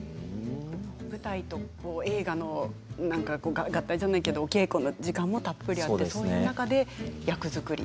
舞台と映画の合体じゃないけれど稽古の時間もたっぷりあってその中で役作り。